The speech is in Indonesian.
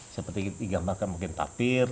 seperti digambarkan mungkin tapir